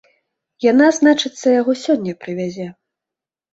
Яна, значыцца, яго сёння прывязе.